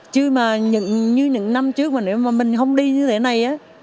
chứ mà như những năm trước mà nếu mà mình không đi như thế này á